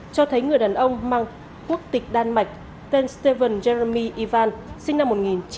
cho thấy người đàn ông mang quốc tịch đan mạch tên stephen jeremy ivan sinh năm một nghìn chín trăm chín mươi bảy